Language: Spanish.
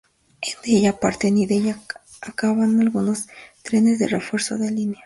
De ella parten y en ella acaban algunos trenes de refuerzo de la línea.